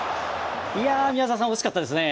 宮澤さん、惜しかったですね。